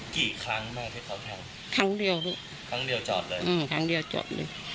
กี่ครั้งบ้างที่เขาแทงครั้งเดียวลูกครั้งเดียวจอดเลยอืมครั้งเดียวจอดเลย